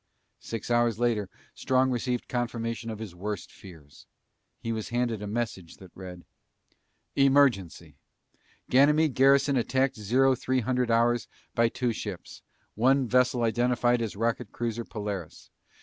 Six hours later Strong received confirmation of his worst fears. He was handed a message that read: EMERGENCY: GANYMEDE GARRISON ATTACKED ZERO THREE HUNDRED HOURS BY TWO SHIPS. ONE VESSEL IDENTIFIED AS ROCKET CRUISER POLARIS.